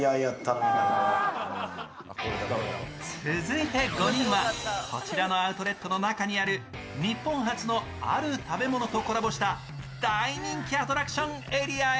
続いて５人はこちらのアウトレットの中にある日本初のある食べ物とコラボした大人気アトラクションエリアへ。